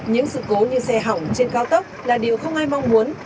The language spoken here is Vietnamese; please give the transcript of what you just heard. những sự cố như xe hỏng trên cao tốc là điều không ai mong muốn